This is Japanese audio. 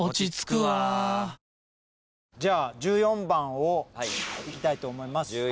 １４番をいきたいと思います。